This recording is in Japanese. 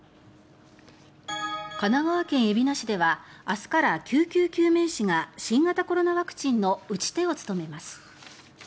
神奈川県海老名市では明日から救急救命士が新型コロナワクチンの打ち手を務めます。